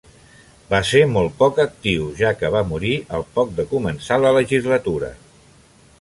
Va ser molt poc actiu, ja que va morir al poc de començar la legislatura.